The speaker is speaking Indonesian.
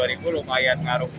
itu lumayan ngaruh